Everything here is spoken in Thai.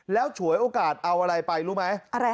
แล้วฉวยโอกาสเอาอะไรไปรู้ไหม